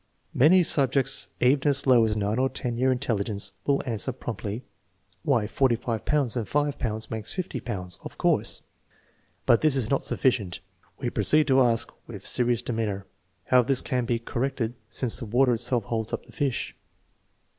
Many subjects even as low as 9 or 10 year AVERAGE ADULT, ALTERNATIVE 2 335 intelligence will answer promptly, Why, 45 pounds and 5 pounds makes 50 pounds, of course." But this is not suf ficient. We proceed to ask, with serious demeanor: " How this can be correct, since the water itself holds up the fish?